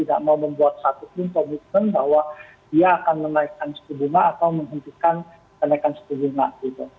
atau membuat satu komitmen bahwa dia akan menaikkan fasilitasi bunga atau menghentikan kenaikan fasilitasi bunga gitu